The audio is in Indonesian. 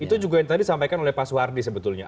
itu juga yang tadi disampaikan oleh pak suwardi sebetulnya